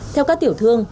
theo các tiểu thương